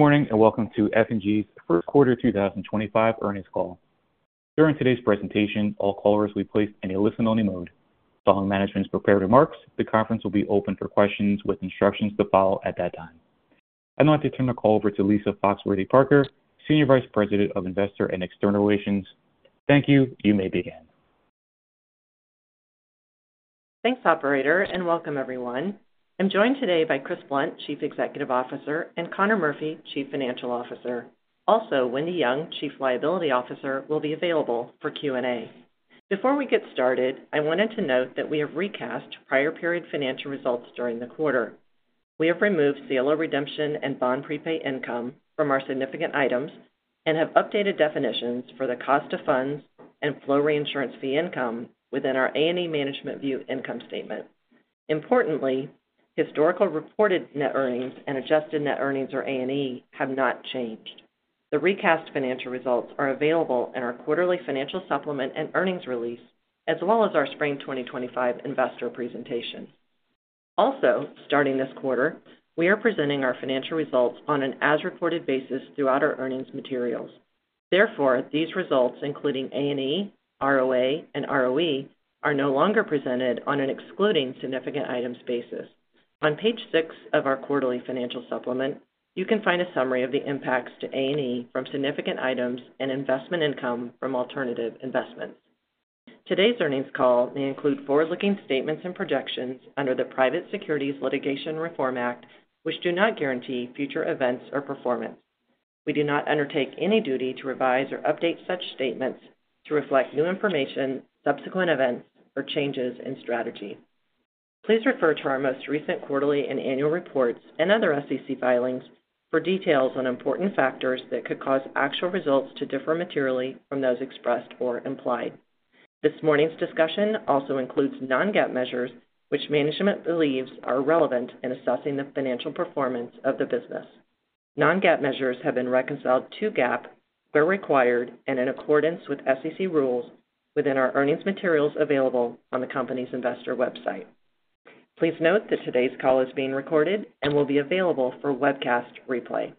Good morning and welcome to F&G's first quarter 2025 earnings call. During today's presentation, all callers will be placed in a listen-only mode. Following management's prepared remarks, the conference will be open for questions with instructions to follow at that time. I'd like to turn the call over to Lisa Foxworthy-Parker, Senior Vice President of Investor and External Relations. Thank you. You may begin. Thanks, Operator, and welcome, everyone. I'm joined today by Chris Blunt, Chief Executive Officer, and Conor Murphy, Chief Financial Officer. Also, Wendy Young, Chief Liability Officer, will be available for Q&A. Before we get started, I wanted to note that we have recast prior-period financial results during the quarter. We have removed CLO redemption and bond prepay income from our significant items and have updated definitions for the cost of funds and flow reinsurance fee income within our A&E Management View income statement. Importantly, historical reported net earnings and adjusted net earnings, or A&E, have not changed. The recast financial results are available in our quarterly financial supplement and earnings release, as well as our spring 2025 investor presentation. Also, starting this quarter, we are presenting our financial results on an as-reported basis throughout our earnings materials. Therefore, these results, including A&E, ROA, and ROE, are no longer presented on an excluding significant items basis. On page six of our quarterly financial supplement, you can find a summary of the impacts to A&E from significant items and investment income from alternative investments. Today's earnings call may include forward-looking statements and projections under the Private Securities Litigation Reform Act, which do not guarantee future events or performance. We do not undertake any duty to revise or update such statements to reflect new information, subsequent events, or changes in strategy. Please refer to our most recent quarterly and annual reports and other SEC filings for details on important factors that could cause actual results to differ materially from those expressed or implied. This morning's discussion also includes non-GAAP measures, which management believes are relevant in assessing the financial performance of the business. Non-GAAP measures have been reconciled to GAAP where required and in accordance with SEC rules within our earnings materials available on the company's investor website. Please note that today's call is being recorded and will be available for webcast replay.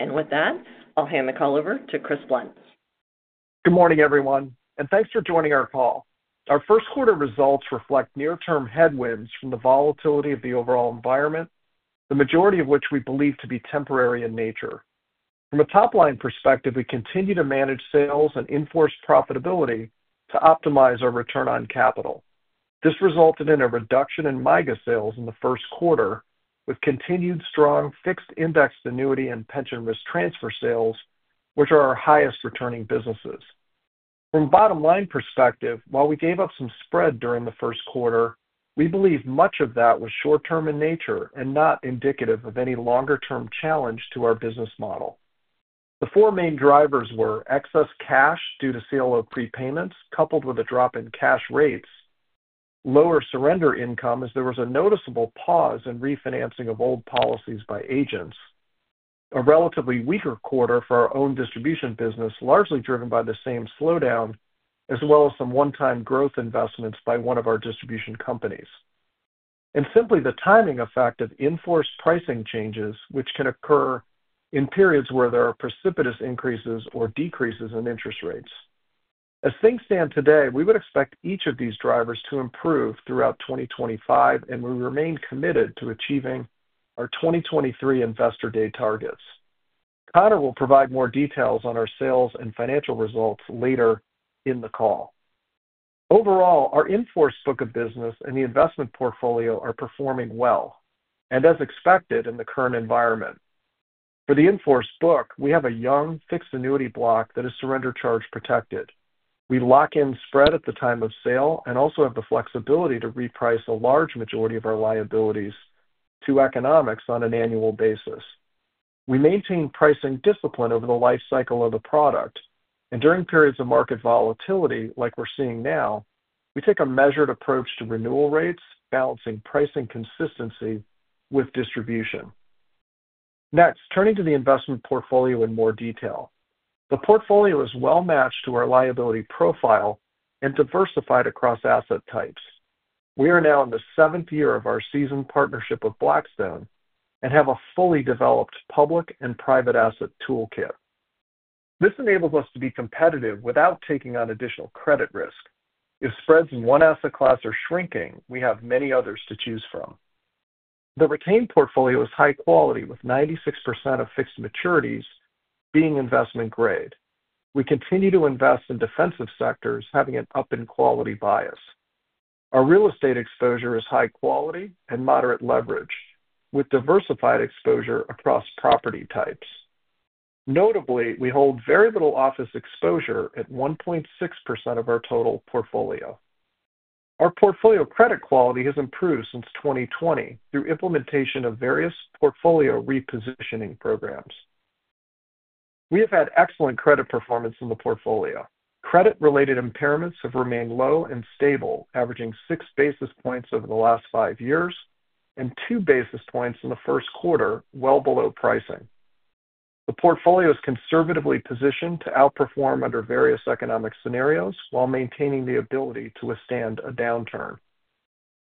With that, I'll hand the call over to Chris Blunt. Good morning, everyone, and thanks for joining our call. Our first quarter results reflect near-term headwinds from the volatility of the overall environment, the majority of which we believe to be temporary in nature. From a top-line perspective, we continue to manage sales and enforce profitability to optimize our return on capital. This resulted in a reduction in MIGA sales in the first quarter, with continued strong fixed index annuity and pension risk transfer sales, which are our highest returning businesses. From a bottom-line perspective, while we gave up some spread during the first quarter, we believe much of that was short-term in nature and not indicative of any longer-term challenge to our business model. The four main drivers were excess cash due to CLO prepayments, coupled with a drop in cash rates, lower surrender income, as there was a noticeable pause in refinancing of old policies by agents, a relatively weaker quarter for our own distribution business, largely driven by the same slowdown, as well as some one-time growth investments by one of our distribution companies, and simply the timing effect of enforced pricing changes, which can occur in periods where there are precipitous increases or decreases in interest rates. As things stand today, we would expect each of these drivers to improve throughout 2025, and we remain committed to achieving our 2023 Investor Day targets. Conor will provide more details on our sales and financial results later in the call. Overall, our enforced book of business and the investment portfolio are performing well, and as expected in the current environment. For the enforced book, we have a young fixed annuity block that is surrender charge protected. We lock in spread at the time of sale and also have the flexibility to reprice a large majority of our liabilities to economics on an annual basis. We maintain pricing discipline over the life cycle of the product, and during periods of market volatility, like we're seeing now, we take a measured approach to renewal rates, balancing pricing consistency with distribution. Next, turning to the investment portfolio in more detail, the portfolio is well matched to our liability profile and diversified across asset types. We are now in the seventh year of our seasoned partnership with Blackstone and have a fully developed public and private asset toolkit. This enables us to be competitive without taking on additional credit risk. If spreads in one asset class are shrinking, we have many others to choose from. The retained portfolio is high quality, with 96% of fixed maturities being investment grade. We continue to invest in defensive sectors, having an up in quality bias. Our real estate exposure is high quality and moderate leverage, with diversified exposure across property types. Notably, we hold very little office exposure at 1.6% of our total portfolio. Our portfolio credit quality has improved since 2020 through implementation of various portfolio repositioning programs. We have had excellent credit performance in the portfolio. Credit-related impairments have remained low and stable, averaging six basis points over the last five years and two basis points in the first quarter, well below pricing. The portfolio is conservatively positioned to outperform under various economic scenarios while maintaining the ability to withstand a downturn.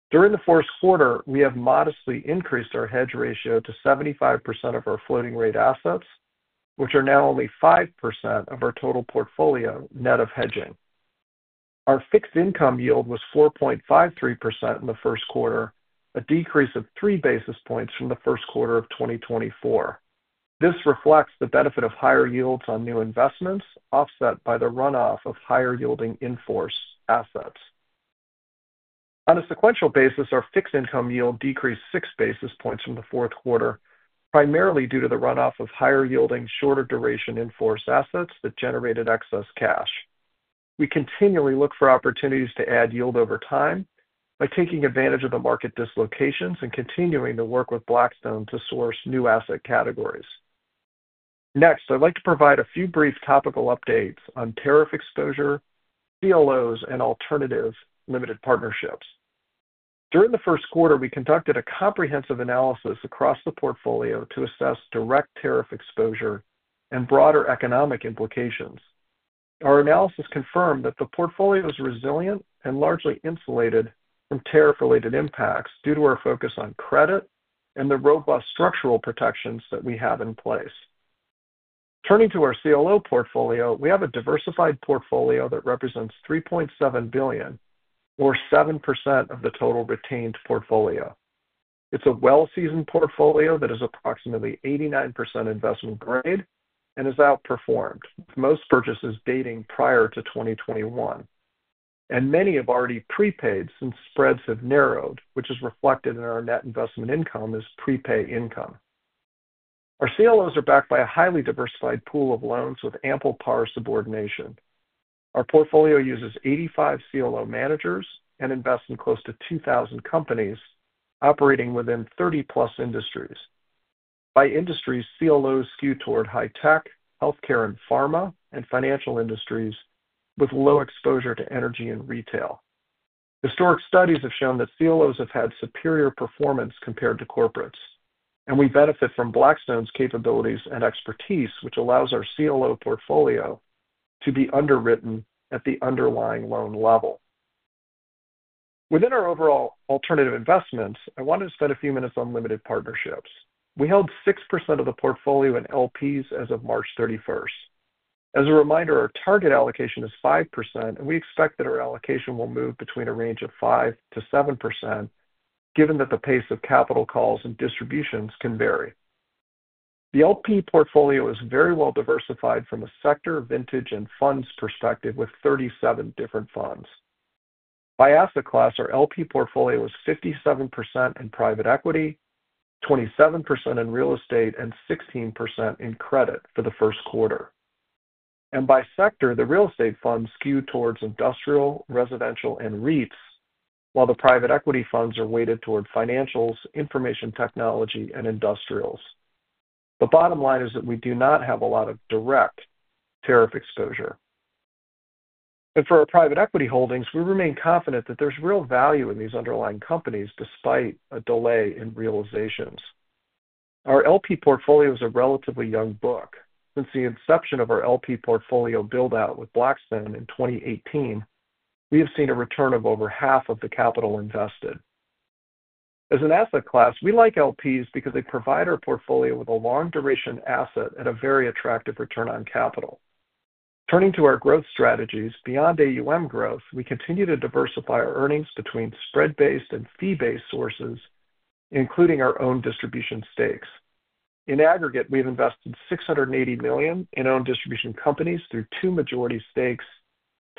During the fourth quarter, we have modestly increased our hedge ratio to 75% of our floating rate assets, which are now only 5% of our total portfolio net of hedging. Our fixed income yield was 4.53% in the first quarter, a decrease of three basis points from the first quarter of 2024. This reflects the benefit of higher yields on new investments, offset by the runoff of higher-yielding enforced assets. On a sequential basis, our fixed income yield decreased six basis points from the fourth quarter, primarily due to the runoff of higher-yielding, shorter-duration enforced assets that generated excess cash. We continually look for opportunities to add yield over time by taking advantage of the market dislocations and continuing to work with Blackstone to source new asset categories. Next, I'd like to provide a few brief topical updates on tariff exposure, CLOs, and alternative limited partnerships. During the first quarter, we conducted a comprehensive analysis across the portfolio to assess direct tariff exposure and broader economic implications. Our analysis confirmed that the portfolio is resilient and largely insulated from tariff-related impacts due to our focus on credit and the robust structural protections that we have in place. Turning to our CLO portfolio, we have a diversified portfolio that represents $3.7 billion, or 7% of the total retained portfolio. It's a well-seasoned portfolio that is approximately 89% investment grade and is outperformed, with most purchases dating prior to 2021, and many have already prepaid since spreads have narrowed, which is reflected in our net investment income as prepay income. Our CLOs are backed by a highly diversified pool of loans with ample power subordination. Our portfolio uses 85 CLO managers and invests in close to 2,000 companies operating within 30-plus industries. By industries, CLOs skew toward high tech, healthcare, and pharma, and financial industries with low exposure to energy and retail. Historic studies have shown that CLOs have had superior performance compared to corporates, and we benefit from Blackstone's capabilities and expertise, which allows our CLO portfolio to be underwritten at the underlying loan level. Within our overall alternative investments, I wanted to spend a few minutes on limited partnerships. We held 6% of the portfolio in LPs as of March 31. As a reminder, our target allocation is 5%, and we expect that our allocation will move between a range of 5%-7%, given that the pace of capital calls and distributions can vary. The LP portfolio is very well diversified from a sector, vintage, and funds perspective, with 37 different funds. By asset class, our LP portfolio is 57% in private equity, 27% in real estate, and 16% in credit for the first quarter. By sector, the real estate funds skew towards industrial, residential, and REITs, while the private equity funds are weighted toward financials, information technology, and industrials. The bottom line is that we do not have a lot of direct tariff exposure. For our private equity holdings, we remain confident that there's real value in these underlying companies despite a delay in realizations. Our LP portfolio is a relatively young book. Since the inception of our LP portfolio build-out with Blackstone in 2018, we have seen a return of over half of the capital invested. As an asset class, we like LPs because they provide our portfolio with a long-duration asset at a very attractive return on capital. Turning to our growth strategies, beyond AUM growth, we continue to diversify our earnings between spread-based and fee-based sources, including our own distribution stakes. In aggregate, we have invested $680 million in owned distribution companies through two majority stakes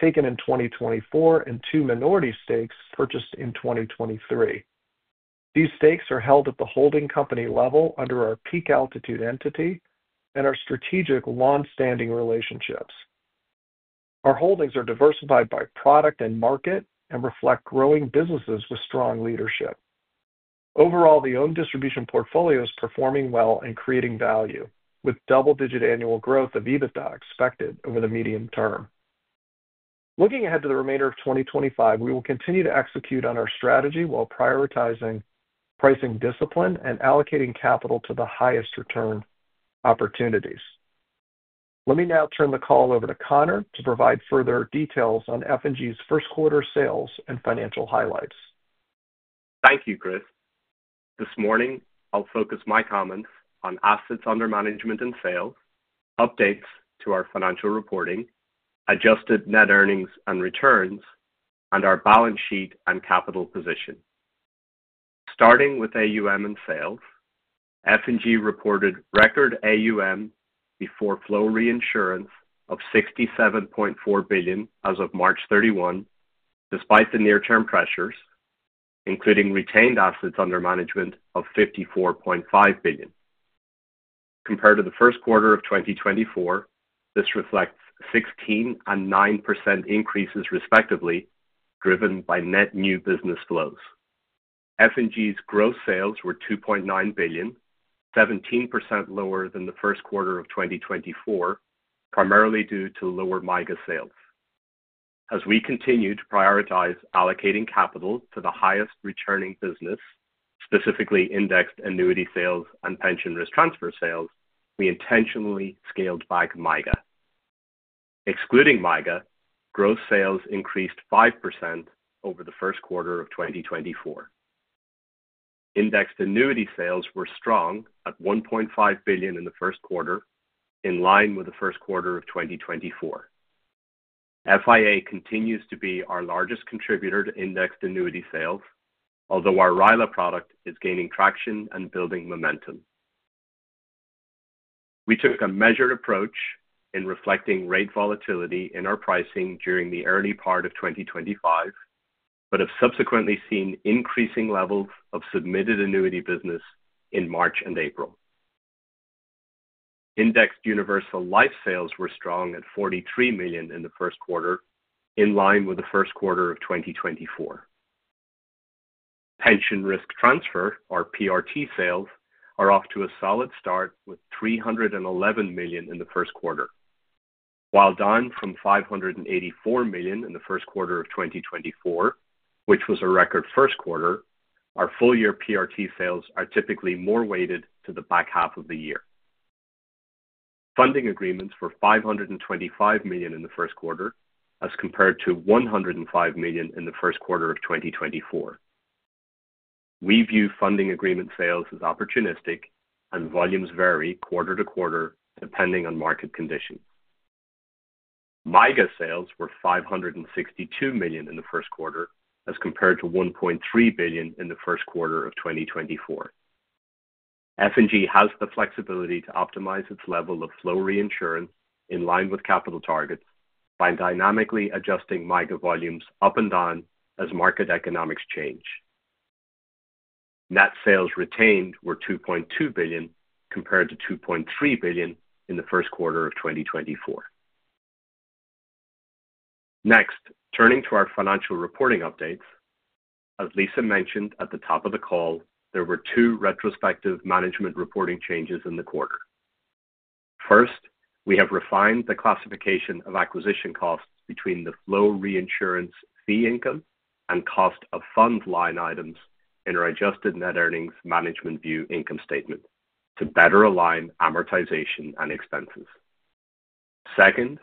taken in 2024 and two minority stakes purchased in 2023. These stakes are held at the holding company level under our peak altitude entity and our strategic long-standing relationships. Our holdings are diversified by product and market and reflect growing businesses with strong leadership. Overall, the owned distribution portfolio is performing well and creating value, with double-digit annual growth of EBITDA expected over the medium term. Looking ahead to the remainder of 2025, we will continue to execute on our strategy while prioritizing pricing discipline and allocating capital to the highest return opportunities. Let me now turn the call over to Conor to provide further details on F&G's first quarter sales and financial highlights. Thank you, Chris. This morning, I'll focus my comments on assets under management and sales, updates to our financial reporting, adjusted net earnings and returns, and our balance sheet and capital position. Starting with AUM and sales, F&G reported record AUM before flow reinsurance of $67.4 billion as of March 31, despite the near-term pressures, including retained assets under management of $54.5 billion. Compared to the first quarter of 2024, this reflects 16% and 9% increases respectively, driven by net new business flows. F&G's gross sales were $2.9 billion, 17% lower than the first quarter of 2024, primarily due to lower MIGA sales. As we continue to prioritize allocating capital to the highest returning business, specifically indexed annuity sales and pension risk transfer sales, we intentionally scaled back MIGA. Excluding MIGA, gross sales increased 5% over the first quarter of 2024. Indexed annuity sales were strong at $1.5 billion in the first quarter, in line with the first quarter of 2024. FIA continues to be our largest contributor to indexed annuity sales, although our RILA product is gaining traction and building momentum. We took a measured approach in reflecting rate volatility in our pricing during the early part of 2025, but have subsequently seen increasing levels of submitted annuity business in March and April. Indexed universal life sales were strong at $43 million in the first quarter, in line with the first quarter of 2024. Pension risk transfer, our PRT sales, are off to a solid start with $311 million in the first quarter, while down from $584 million in the first quarter of 2024, which was a record first quarter. Our full-year PRT sales are typically more weighted to the back half of the year. Funding agreements were $525 million in the first quarter, as compared to $105 million in the first quarter of 2024. We view funding agreement sales as opportunistic, and volumes vary quarter to quarter depending on market conditions. MIGA sales were $562 million in the first quarter, as compared to $1.3 billion in the first quarter of 2024. F&G has the flexibility to optimize its level of flow reinsurance in line with capital targets by dynamically adjusting MIGA volumes up and down as market economics change. Net sales retained were $2.2 billion, compared to $2.3 billion in the first quarter of 2024. Next, turning to our financial reporting updates, as Lisa mentioned at the top of the call, there were two retrospective management reporting changes in the quarter. First, we have refined the classification of acquisition costs between the flow reinsurance fee income and cost of fund line items in our adjusted net earnings management view income statement to better align amortization and expenses. Second,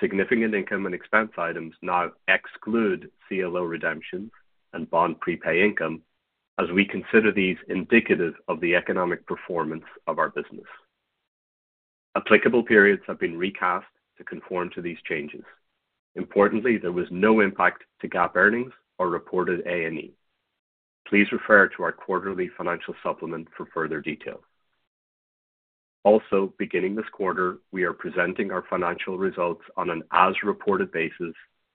significant income and expense items now exclude CLO redemptions and bond prepay income, as we consider these indicative of the economic performance of our business. Applicable periods have been recast to conform to these changes. Importantly, there was no impact to GAAP earnings or reported A&E. Please refer to our quarterly financial supplement for further details. Also, beginning this quarter, we are presenting our financial results on an as-reported basis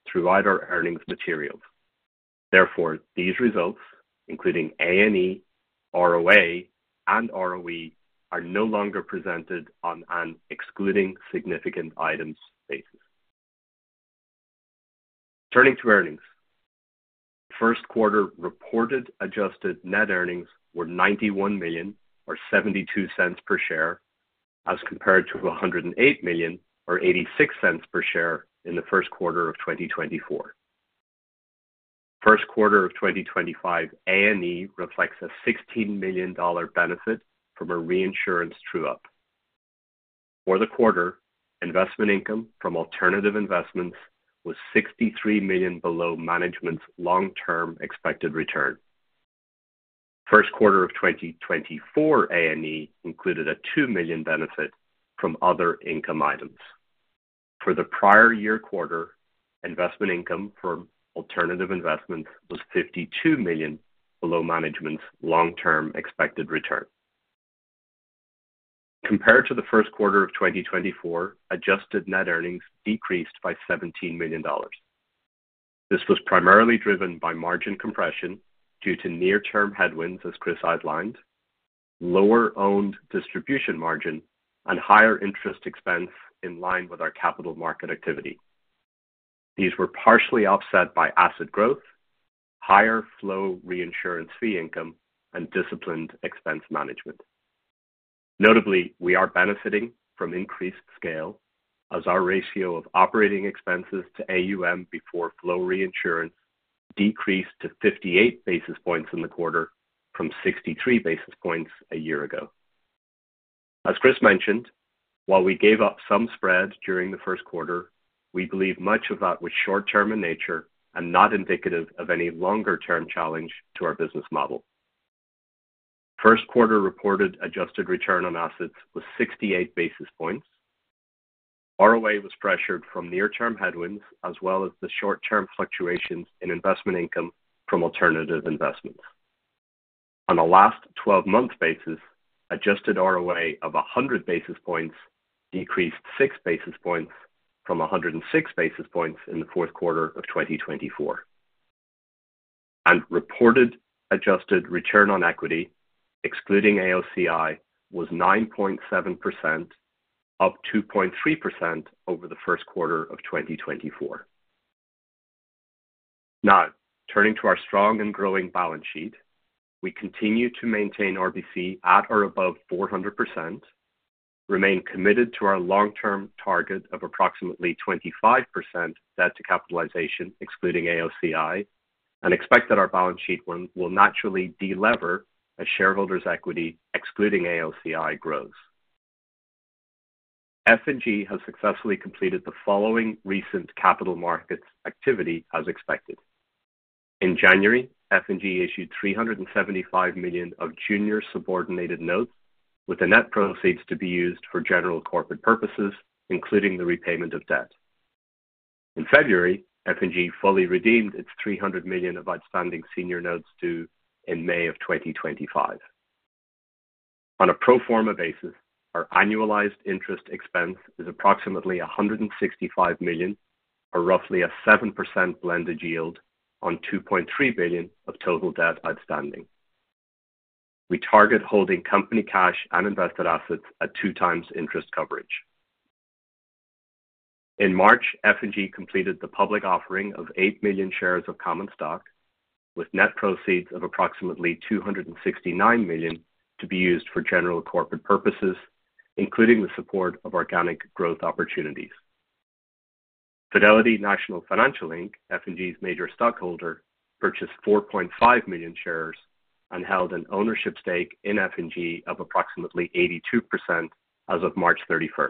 throughout our earnings materials. Therefore, these results, including A&E, ROA, and ROE, are no longer presented on an excluding significant items basis. Turning to earnings, the first quarter reported adjusted net earnings were $91 million, or $0.72 per share, as compared to $108 million, or $0.86 per share in the first quarter of 2024. First quarter of 2025 A&E reflects a $16 million benefit from a reinsurance true-up. For the quarter, investment income from alternative investments was $63 million below management's long-term expected return. First quarter of 2024 A&E included a $2 million benefit from other income items. For the prior year quarter, investment income from alternative investments was $52 million below management's long-term expected return. Compared to the first quarter of 2024, adjusted net earnings decreased by $17 million. This was primarily driven by margin compression due to near-term headwinds, as Chris outlined, lower owned distribution margin, and higher interest expense in line with our capital market activity. These were partially offset by asset growth, higher flow reinsurance fee income, and disciplined expense management. Notably, we are benefiting from increased scale, as our ratio of operating expenses to AUM before flow reinsurance decreased to 58 basis points in the quarter from 63 basis points a year ago. As Chris mentioned, while we gave up some spread during the first quarter, we believe much of that was short-term in nature and not indicative of any longer-term challenge to our business model. First quarter reported adjusted return on assets was 68 basis points. ROA was pressured from near-term headwinds, as well as the short-term fluctuations in investment income from alternative investments. On a last 12-month basis, adjusted ROA of 100 basis points decreased 6 basis points from 106 basis points in the fourth quarter of 2024. Reported adjusted return on equity, excluding AOCI, was 9.7%, up 2.3% over the first quarter of 2024. Now, turning to our strong and growing balance sheet, we continue to maintain RBC at or above 400%, remain committed to our long-term target of approximately 25% debt to capitalization, excluding AOCI, and expect that our balance sheet will naturally delever as shareholders' equity, excluding AOCI, grows. F&G has successfully completed the following recent capital markets activity as expected. In January, F&G issued $375 million of junior subordinated notes, with the net proceeds to be used for general corporate purposes, including the repayment of debt. In February, F&G fully redeemed its $300 million of outstanding senior notes due in May of 2025. On a pro forma basis, our annualized interest expense is approximately $165 million, or roughly a 7% blended yield on $2.3 billion of total debt outstanding. We target holding company cash and invested assets at two times interest coverage. In March, F&G completed the public offering of 8 million shares of Common Stock, with net proceeds of approximately $269 million to be used for general corporate purposes, including the support of organic growth opportunities. Fidelity National Financial, F&G's major stockholder, purchased 4.5 million shares and held an ownership stake in F&G of approximately 82% as of March 31.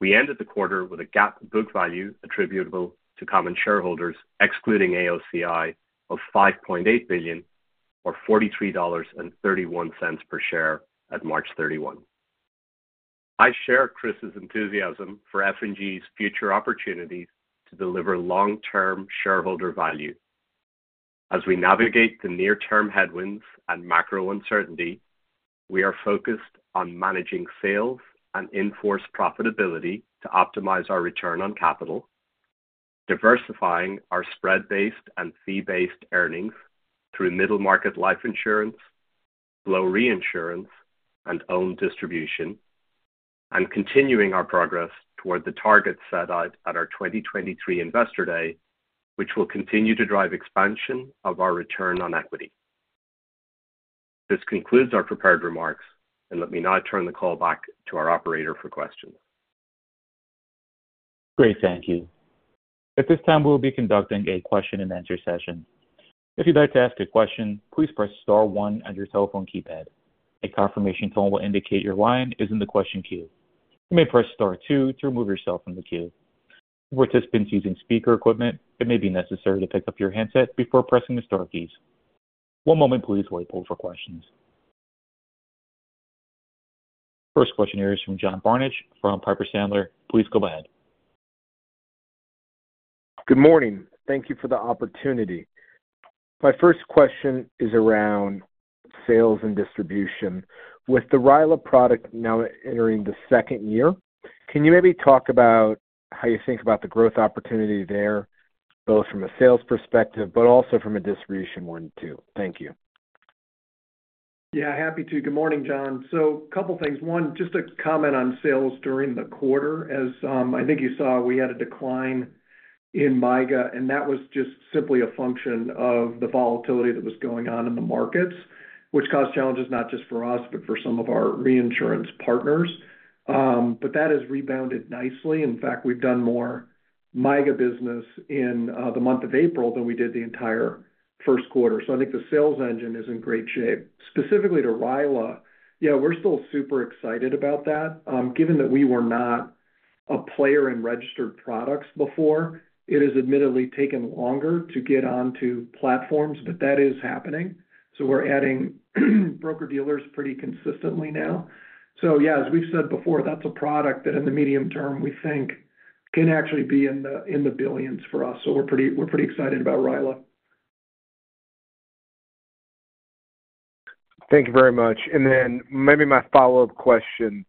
We ended the quarter with a GAAP book value attributable to common shareholders, excluding AOCI, of $5.8 billion, or $43.31 per share at March 31. I share Chris's enthusiasm for F&G's future opportunities to deliver long-term shareholder value. As we navigate the near-term headwinds and macro uncertainty, we are focused on managing sales and enforced profitability to optimize our return on capital, diversifying our spread-based and fee-based earnings through middle market life insurance, flow reinsurance, and owned distribution, and continuing our progress toward the targets set out at our 2023 Investor Day, which will continue to drive expansion of our return on equity. This concludes our prepared remarks, and let me now turn the call back to our operator for questions. Great, thank you. At this time, we will be conducting a question-and-answer session. If you'd like to ask a question, please press star 1 on your cell phone keypad. A confirmation tone will indicate your line is in the question queue. You may press Star 2 to remove yourself from the queue. For participants using speaker equipment, it may be necessary to pick up your handset before pressing the Star keys. One moment, please, while we pull for questions. First question here is from John Barnidge from Piper Sandler. Please go ahead. Good morning. Thank you for the opportunity. My first question is around sales and distribution. With the RILA product now entering the second year, can you maybe talk about how you think about the growth opportunity there, both from a sales perspective but also from a distribution one too? Thank you. Yeah, happy to. Good morning, John. A couple of things. One, just a comment on sales during the quarter. As I think you saw, we had a decline in MIGA, and that was just simply a function of the volatility that was going on in the markets, which caused challenges not just for us, but for some of our reinsurance partners. That has rebounded nicely. In fact, we've done more MIGA business in the month of April than we did the entire first quarter. I think the sales engine is in great shape. Specifically to RILA, yeah, we're still super excited about that. Given that we were not a player in registered products before, it has admittedly taken longer to get onto platforms, but that is happening. We're adding broker-dealers pretty consistently now. Yeah, as we've said before, that's a product that in the medium term, we think can actually be in the billions for us. We're pretty excited about RILA. Thank you very much. Maybe my follow-up question.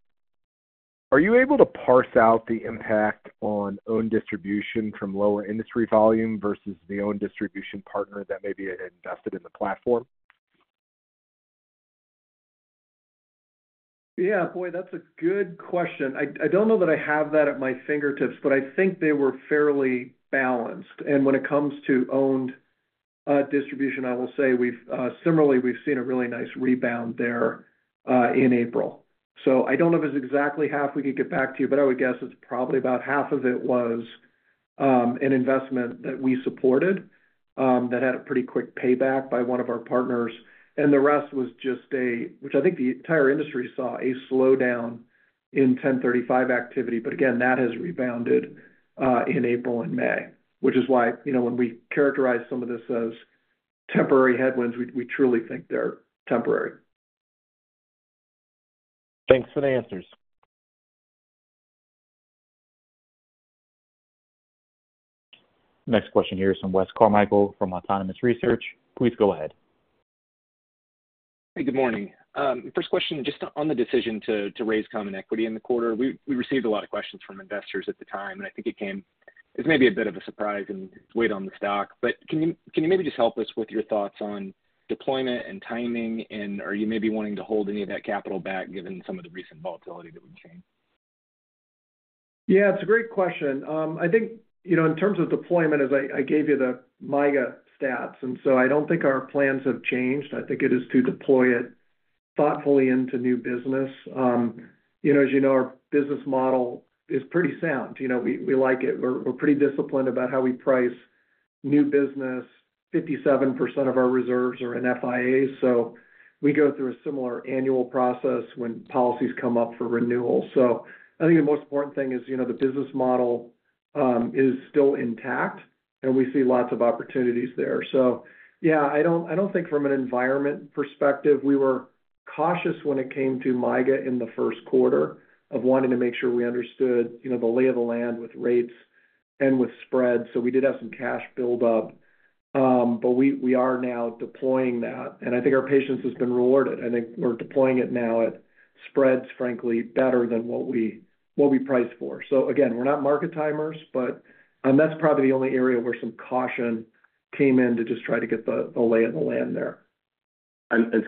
Are you able to parse out the impact on owned distribution from lower industry volume versus the owned distribution partner that may be invested in the platform? Yeah, boy, that's a good question. I don't know that I have that at my fingertips, but I think they were fairly balanced. When it comes to owned distribution, I will say similarly, we've seen a really nice rebound there in April. I don't know if it's exactly half, we could get back to you, but I would guess it's probably about half of it was an investment that we supported that had a pretty quick payback by one of our partners. The rest was just a, which I think the entire industry saw, a slowdown in 1035 activity. Again, that has rebounded in April and May, which is why when we characterize some of this as temporary headwinds, we truly think they're temporary. Thanks for the answers. Next question here is from Wes Carmichael from Autonomous Research. Please go ahead. Hey, good morning. First question, just on the decision to raise common equity in the quarter, we received a lot of questions from investors at the time, and I think it came as maybe a bit of a surprise and weighed on the stock. Can you maybe just help us with your thoughts on deployment and timing, and are you maybe wanting to hold any of that capital back given some of the recent volatility that we've seen? Yeah, it's a great question. I think in terms of deployment, as I gave you the MIGA stats, and so I don't think our plans have changed. I think it is to deploy it thoughtfully into new business. As you know, our business model is pretty sound. We like it. We're pretty disciplined about how we price new business. 57% of our reserves are in FIAs. We go through a similar annual process when policies come up for renewal. I think the most important thing is the business model is still intact, and we see lots of opportunities there. Yeah, I don't think from an environment perspective, we were cautious when it came to MIGA in the first quarter of wanting to make sure we understood the lay of the land with rates and with spreads. We did have some cash buildup, but we are now deploying that. I think our patience has been rewarded. I think we are deploying it now at spreads, frankly, better than what we priced for. Again, we are not market timers, but that is probably the only area where some caution came in to just try to get the lay of the land there.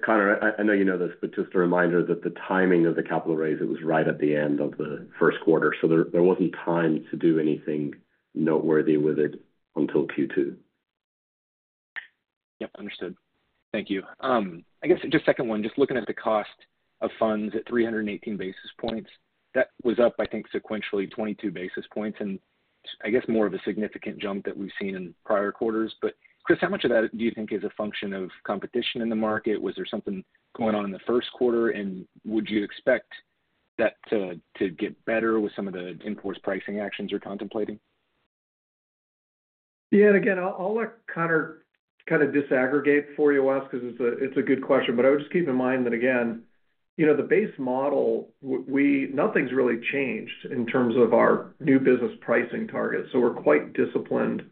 Conor, I know you know this, but just a reminder that the timing of the capital raise, it was right at the end of the first quarter. There was not time to do anything noteworthy with it until Q2. Yep, understood. Thank you. I guess just second one, just looking at the cost of funds at 318 basis points, that was up, I think, sequentially 22 basis points and I guess more of a significant jump than we've seen in prior quarters. Chris, how much of that do you think is a function of competition in the market? Was there something going on in the first quarter, and would you expect that to get better with some of the enforced pricing actions you're contemplating? Yeah, and again, I'll let Conor kind of disaggregate for you, Wes, because it's a good question. I would just keep in mind that, again, the base model, nothing's really changed in terms of our new business pricing target. We're quite disciplined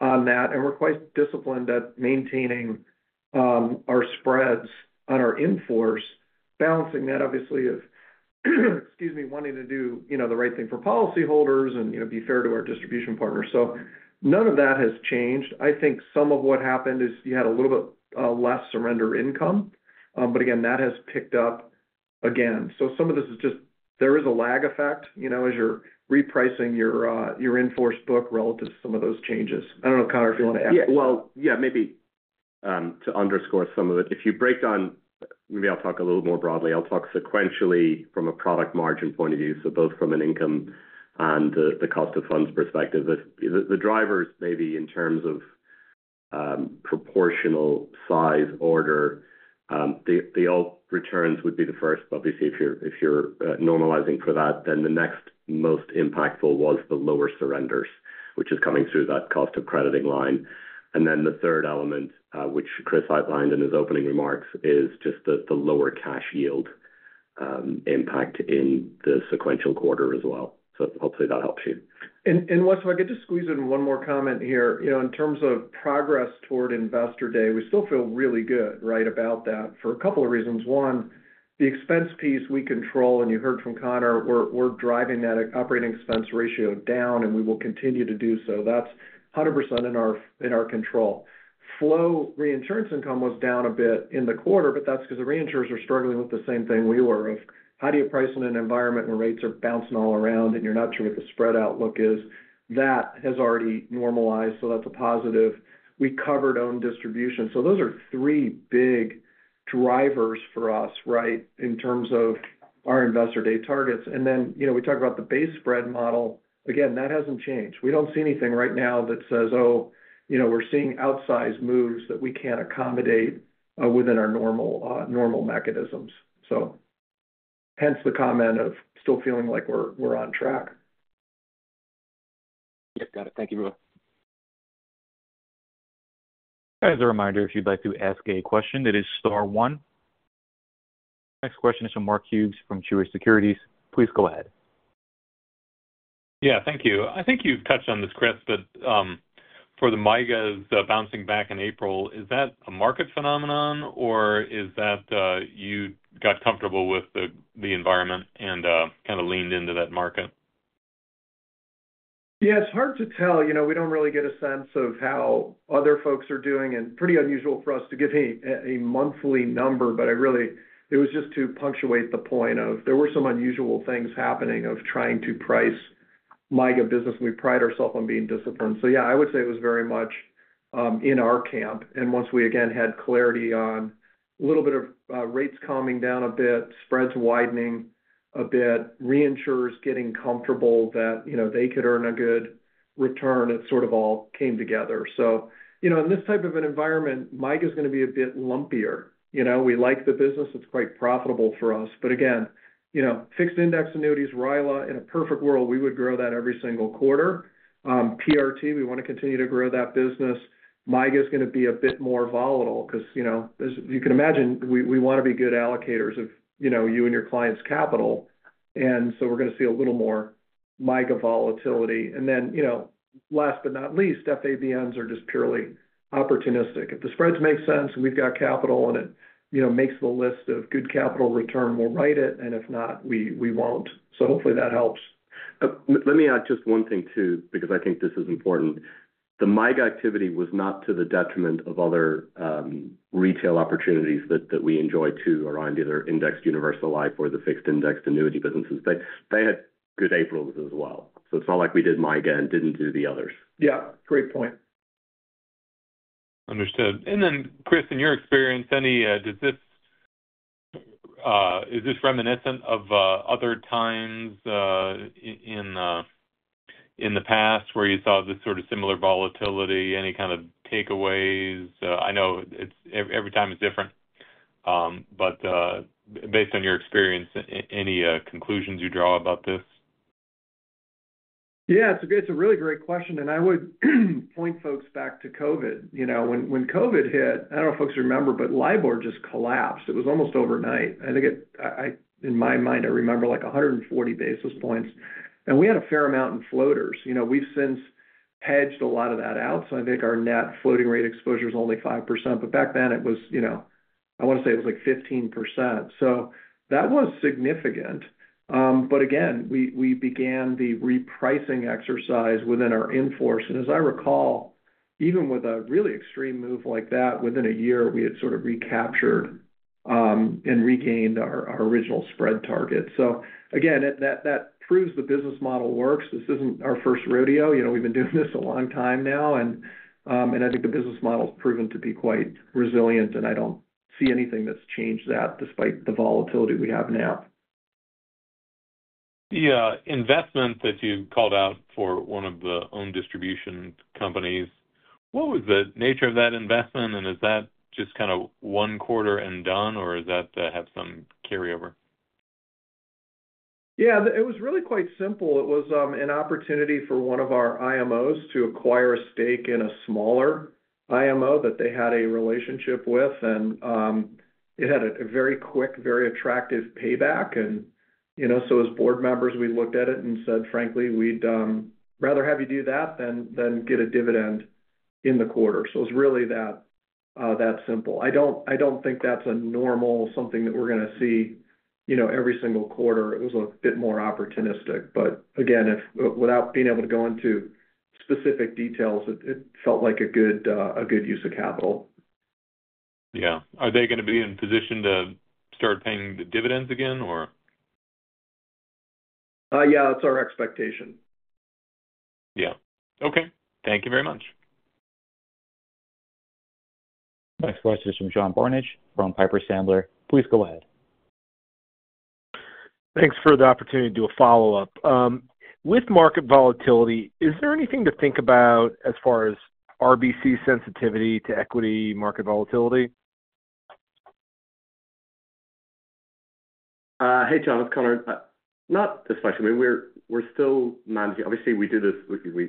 on that, and we're quite disciplined at maintaining our spreads on our enforce, balancing that, obviously, of, excuse me, wanting to do the right thing for policyholders and be fair to our distribution partners. None of that has changed. I think some of what happened is you had a little bit less surrender income, but that has picked up again. Some of this is just there is a lag effect as you're repricing your enforce book relative to some of those changes. I don't know, Conor, if you want to add to that. Yeah, maybe to underscore some of it, if you break down, maybe I'll talk a little more broadly. I'll talk sequentially from a product margin point of view, so both from an income and the cost of funds perspective. The drivers, maybe in terms of proportional size order, the alt returns would be the first. Obviously, if you're normalizing for that, then the next most impactful was the lower surrenders, which is coming through that cost of crediting line. The third element, which Chris outlined in his opening remarks, is just the lower cash yield impact in the sequential quarter as well. Hopefully that helps you. Wes, if I could just squeeze in one more comment here. In terms of progress toward Investor Day, we still feel really good, right, about that for a couple of reasons. One, the expense piece we control, and you heard from Conor, we're driving that operating expense ratio down, and we will continue to do so. That is 100% in our control. Flow reinsurance income was down a bit in the quarter, but that is because the reinsurers are struggling with the same thing we were of how do you price in an environment when rates are bouncing all around and you're not sure what the spread outlook is. That has already normalized, so that is a positive. We covered owned distribution. Those are three big drivers for us, right, in terms of our Investor Day targets. We talked about the base spread model. Again, that has not changed. We do not see anything right now that says, "Oh, we are seeing outsized moves that we cannot accommodate within our normal mechanisms." Hence the comment of still feeling like we are on track. Yep, got it. Thank you, Chris. As a reminder, if you'd like to ask a question, it is star 1. Next question is from Mark Hughes from Jefferies. Please go ahead. Yeah, thank you. I think you've touched on this, Chris, but for the MIGAs bouncing back in April, is that a market phenomenon, or is that you got comfortable with the environment and kind of leaned into that market? Yeah, it's hard to tell. We don't really get a sense of how other folks are doing, and pretty unusual for us to give a monthly number, but it was just to punctuate the point of there were some unusual things happening of trying to price MIGA business. We pride ourselves on being disciplined. Yeah, I would say it was very much in our camp. Once we, again, had clarity on a little bit of rates calming down a bit, spreads widening a bit, reinsurers getting comfortable that they could earn a good return, it sort of all came together. In this type of an environment, MIGA is going to be a bit lumpier. We like the business. It's quite profitable for us. Again, fixed index annuities, RILA, in a perfect world, we would grow that every single quarter. PRT, we want to continue to grow that business. MIGA is going to be a bit more volatile because, as you can imagine, we want to be good allocators of you and your clients' capital. We are going to see a little more MIGA volatility. Last but not least, FABNs are just purely opportunistic. If the spreads make sense and we have capital and it makes the list of good capital return, we will write it, and if not, we will not. Hopefully that helps. Let me add just one thing too, because I think this is important. The MIGA activity was not to the detriment of other retail opportunities that we enjoy too around either indexed universal life or the fixed indexed annuity businesses. They had good April's as well. It is not like we did MIGA and did not do the others. Yeah, great point. Understood. Chris, in your experience, is this reminiscent of other times in the past where you saw this sort of similar volatility? Any kind of takeaways? I know every time is different, but based on your experience, any conclusions you draw about this? Yeah, it's a really great question. I would point folks back to COVID. When COVID hit, I don't know if folks remember, but Libor just collapsed. It was almost overnight. I think in my mind, I remember like 140 basis points. We had a fair amount in floaters. We've since hedged a lot of that out. I think our net floating rate exposure is only 5%. Back then, I want to say it was like 15%. That was significant. Again, we began the repricing exercise within our enforce. As I recall, even with a really extreme move like that, within a year, we had sort of recaptured and regained our original spread target. That proves the business model works. This isn't our first rodeo. We've been doing this a long time now. I think the business model has proven to be quite resilient, and I don't see anything that's changed that despite the volatility we have now. The investment that you called out for one of the owned distribution companies, what was the nature of that investment? Is that just kind of one quarter and done, or does that have some carryover? Yeah, it was really quite simple. It was an opportunity for one of our IMOs to acquire a stake in a smaller IMO that they had a relationship with. It had a very quick, very attractive payback. As board members, we looked at it and said, "Frankly, we'd rather have you do that than get a dividend in the quarter." It was really that simple. I do not think that's a normal something that we're going to see every single quarter. It was a bit more opportunistic. Again, without being able to go into specific details, it felt like a good use of capital. Yeah. Are they going to be in position to start paying the dividends again, or? Yeah, that's our expectation. Yeah. Okay. Thank you very much. Next question is from John Barnidge from Piper Sandler. Please go ahead. Thanks for the opportunity to do a follow-up. With market volatility, is there anything to think about as far as RBC sensitivity to equity market volatility? Hey, John, it's Conor. Not this question. I mean, we're still managing. Obviously, we do this.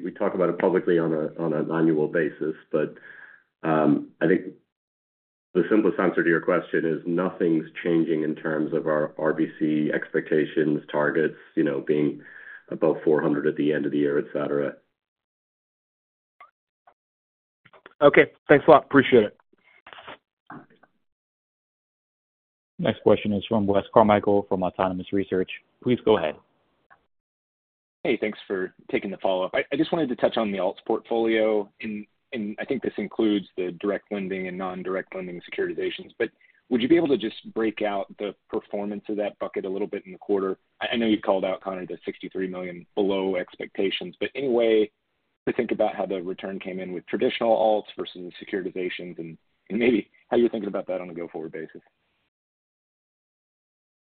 We talk about it publicly on an annual basis. I think the simplest answer to your question is nothing's changing in terms of our RBC expectations, targets being above 400 at the end of the year, etc. Okay. Thanks a lot. Appreciate it. Next question is from Wes Carmichael from Autonomous Research. Please go ahead. Hey, thanks for taking the follow-up. I just wanted to touch on the alt portfolio. I think this includes the direct lending and non-direct lending securitizations. Would you be able to just break out the performance of that bucket a little bit in the quarter? I know you called out, Conor, the $63 million below expectations. Any way to think about how the return came in with traditional alts versus the securitizations and maybe how you're thinking about that on a go-forward basis?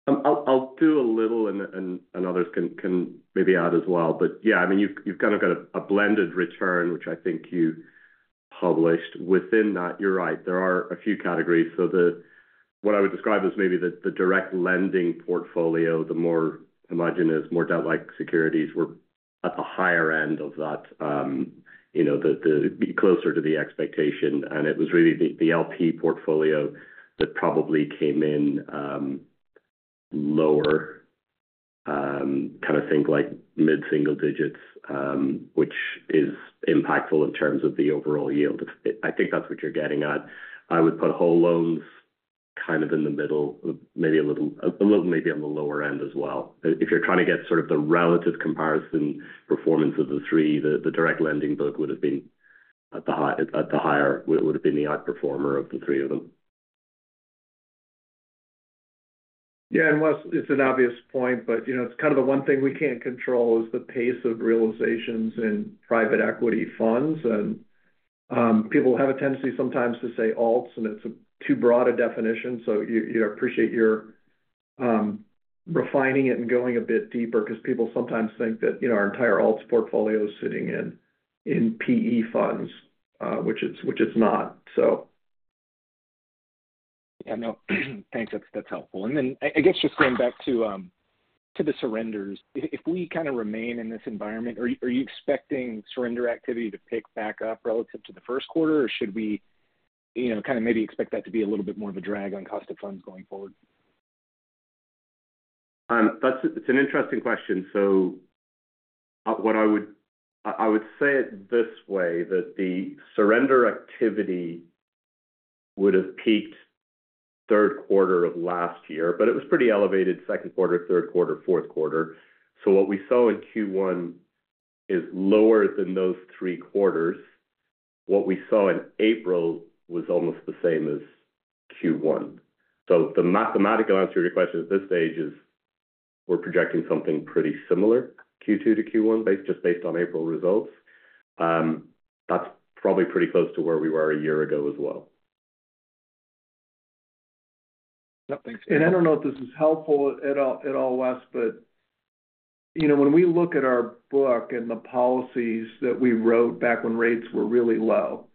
I'll do a little, and others can maybe add as well. Yeah, I mean, you've kind of got a blended return, which I think you published within that. You're right. There are a few categories. What I would describe as maybe the direct lending portfolio, the more homogenous, more debt-like securities were at the higher end of that, the closer to the expectation. It was really the LP portfolio that probably came in lower, kind of think like mid-single digits, which is impactful in terms of the overall yield. I think that's what you're getting at. I would put whole loans kind of in the middle, maybe a little maybe on the lower end as well. If you're trying to get sort of the relative comparison performance of the three, the direct lending book would have been at the higher. It would have been the outperformer of the three of them. Yeah. Wes, it's an obvious point, but it's kind of the one thing we can't control is the pace of realizations in private equity funds. People have a tendency sometimes to say alts, and it's too broad a definition. I appreciate your refining it and going a bit deeper because people sometimes think that our entire alt portfolio is sitting in PE funds, which it's not. Yeah. No, thanks. That's helpful. I guess just going back to the surrenders, if we kind of remain in this environment, are you expecting surrender activity to pick back up relative to the first quarter, or should we kind of maybe expect that to be a little bit more of a drag on cost of funds going forward? It's an interesting question. What I would say is this way, that the surrender activity would have peaked third quarter of last year, but it was pretty elevated second quarter, third quarter, fourth quarter. What we saw in Q1 is lower than those three quarters. What we saw in April was almost the same as Q1. The mathematical answer to your question at this stage is we're projecting something pretty similar, Q2 to Q1, just based on April results. That's probably pretty close to where we were a year ago as well. Yep. Thanks. I do not know if this is helpful at all, Wes, but when we look at our book and the policies that we wrote back when rates were really low,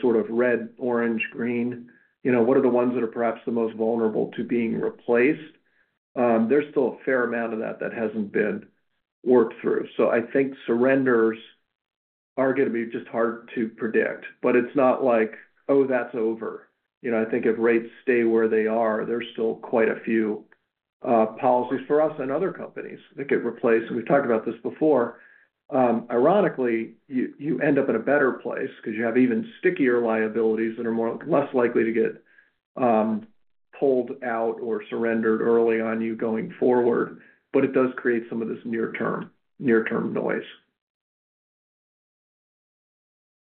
sort of red, orange, green, what are the ones that are perhaps the most vulnerable to being replaced? There is still a fair amount of that that has not been worked through. I think surrenders are going to be just hard to predict. It is not like, "Oh, that is over." I think if rates stay where they are, there are still quite a few policies for us and other companies that get replaced. We have talked about this before. Ironically, you end up in a better place because you have even stickier liabilities that are less likely to get pulled out or surrendered early on you going forward. It does create some of this near-term noise.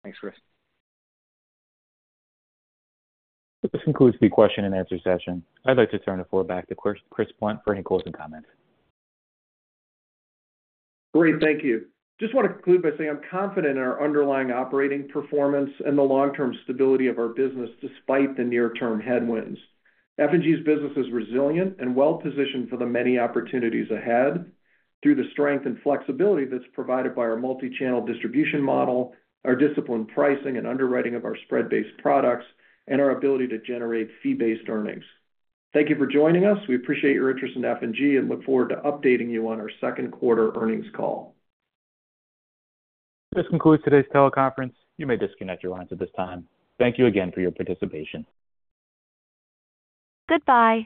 Thanks, Chris. This concludes the question and answer session. I'd like to turn the floor back to Chris Blunt for any closing comments. Great. Thank you. Just want to conclude by saying I'm confident in our underlying operating performance and the long-term stability of our business despite the near-term headwinds. F&G's business is resilient and well-positioned for the many opportunities ahead through the strength and flexibility that's provided by our multi-channel distribution model, our disciplined pricing and underwriting of our spread-based products, and our ability to generate fee-based earnings. Thank you for joining us. We appreciate your interest in F&G and look forward to updating you on our second quarter earnings call. This concludes today's teleconference. You may disconnect your lines at this time. Thank you again for your participation. Goodbye.